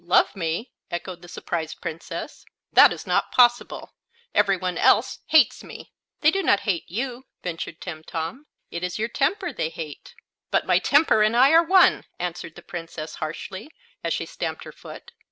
"Love me?" echoed the surprised Princess; "that is not possible! Every one else hates me." "They do not hate you," ventured Timtom; "it is your temper they hate." "But my temper and I are one," answered the Princess, harshly, as she stamped her foot.